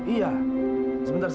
iis sudah berdosa